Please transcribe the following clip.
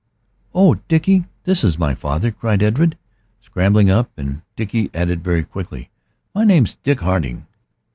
"Oh, Dickie, this is my father," cried Edred, scrambling up. And Dickie added very quickly, "My name's Dick Harding."